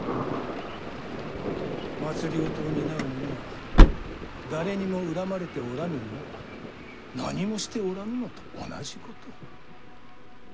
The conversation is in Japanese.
政を担う者が誰にも恨まれておらぬのは何もしておらぬのと同じこと。